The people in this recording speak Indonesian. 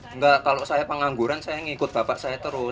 enggak kalau saya pengangguran saya ngikut bapak saya terus